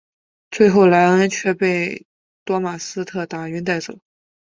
但最后莱恩却被多马斯特打晕带走。